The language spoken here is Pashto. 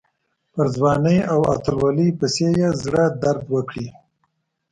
پر ځوانۍ او اتلولۍ پسې یې زړه درد وکړي.